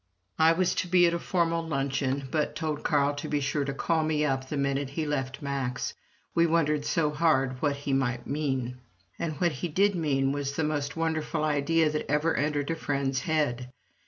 I was to be at a formal luncheon, but told Carl to be sure to call me up the minute he left Max we wondered so hard what he might mean. And what he did mean was the most wonderful idea that ever entered a friend's head.